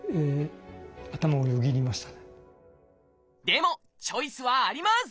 でもチョイスはあります！